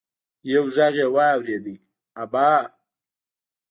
يو غږ يې واورېد: ابا!